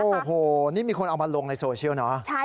โอ้โหนี่มีคนเอามาลงในโซเชียลเนอะ